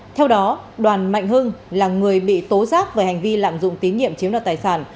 theo đó đoàn mạnh hưng là người bị tố giác về hành vi lạm dụng tín nhiệm chiếm đoạt tài sản